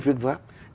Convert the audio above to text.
tôi biết viết pháp